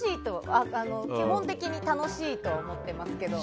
基本的に楽しいと思ってますけど。